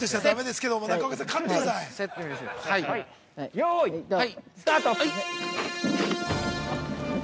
◆よーい、スタート！